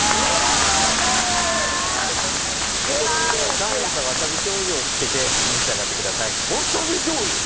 岩塩とわさびしょうゆをつけて召し上がってください。